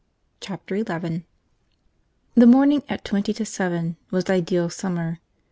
Chapter Eleven THE morning, at twenty minutes to seven, was ideal summer.